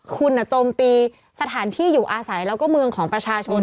คุณโจมตีสถานที่อยู่อาศัยแล้วก็เมืองของประชาชน